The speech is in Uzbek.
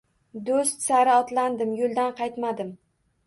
Do‘st sari otlandim, yo‘ldan qaytmadim.